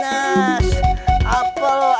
di satu detik